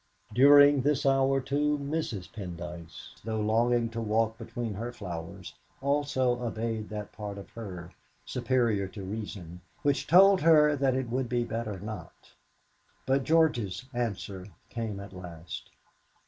During this hour, too, Mrs. Pendyce, though longing to walk between her flowers, also obeyed that part of her, superior to reason, which told her that it would be better not. But George's answer came at last.